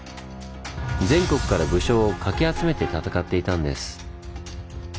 全国から武将をかき集めて戦っていたんです。